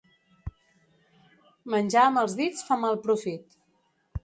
Menjar amb els dits fa mal profit.